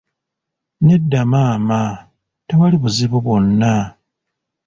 Nedda maama, tewali buzibu bwonna.